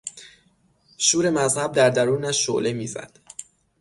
شور مذهب در درونش شعله میزد.